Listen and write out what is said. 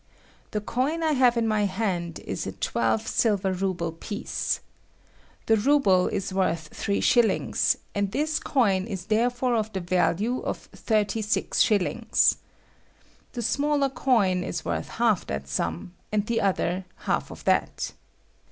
The coin I have in my hand is a twelve silver ruble piece. The ruble is worth three shillings, and this coin is therefore of the value of thirty sis shillings. The smaller coin is worth half that sum ; and the other, half of that.